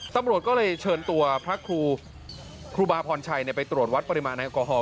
ตำรวจก็เลยเชิญตัวพระครูบาพรชัยไปตรวจวัดปริมาณแอลกอฮอล